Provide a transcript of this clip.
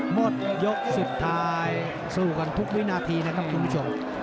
หมดยกสุดท้ายสู้กันทุกวินาทีนะครับคุณผู้ชม